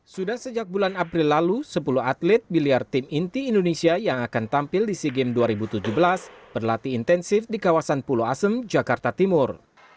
sudah sejak bulan april lalu sepuluh atlet biliar tim inti indonesia yang akan tampil di sea games dua ribu tujuh belas berlatih intensif di kawasan pulau asem jakarta timur